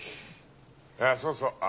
あそうそう。